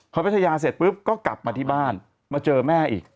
พอพัทยาเสร็จปุ๊บก็กลับมาที่บ้านมาเจอแม่อีก